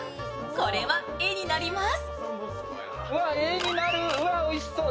これは絵になります！